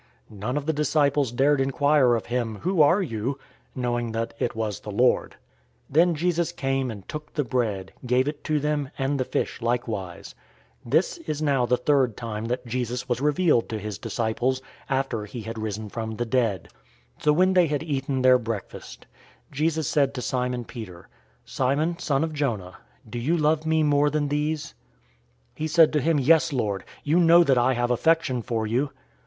None of the disciples dared inquire of him, "Who are you?" knowing that it was the Lord. 021:013 Then Jesus came and took the bread, gave it to them, and the fish likewise. 021:014 This is now the third time that Jesus was revealed to his disciples, after he had risen from the dead. 021:015 So when they had eaten their breakfast, Jesus said to Simon Peter, "Simon, son of Jonah, do you love me more than these?" He said to him, "Yes, Lord; you know that I have affection for you."